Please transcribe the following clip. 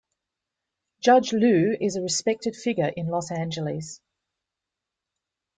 Judge Lew is a respected figure in Los Angeles.